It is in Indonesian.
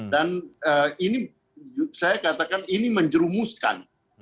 dan ini saya katakan ini menjerumuskan